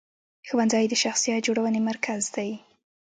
ښوونځی د شخصیت جوړونې مرکز دی.